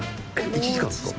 １時間ですか？